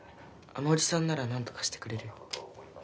あのおじさんなら何とかしてくれるよ